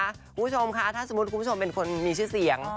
คุณผู้ชมคะถ้าสมมุติคุณผู้ชมเป็นคนมีชื่อเสียง